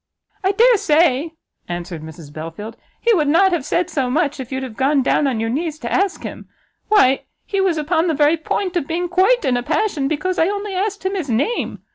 "I dare say," answered Mrs Belfield, "he would not have said so much if you'd have gone down on your knees to ask him. Why he was upon the very point of being quite in a passion because I only asked him his name!